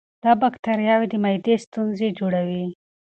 دا بکتریاوې د معدې ستونزې جوړوي.